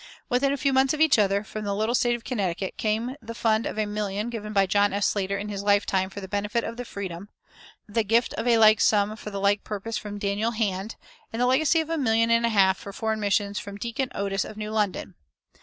Within a few months of each other, from the little State of Connecticut, came the fund of a million given by John F. Slater in his lifetime for the benefit of the freedmen, the gift of a like sum for the like purpose from Daniel Hand, and the legacy of a million and a half for foreign missions from Deacon Otis of New London.